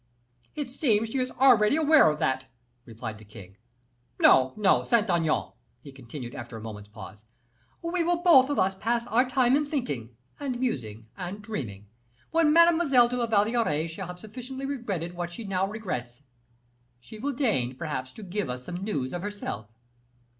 "It seems she is already aware of that," replied the king. "No, no, Saint Aignan," he continued, after a moment's pause, "we will both of us pass our time in thinking, and musing, and dreaming; when Mademoiselle de la Valliere shall have sufficiently regretted what she now regrets, she will deign, perhaps, to give us some news of herself."